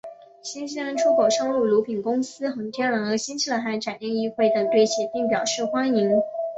新西兰出口商如乳品公司恒天然和新西兰海产业议会等对协定表示欢迎。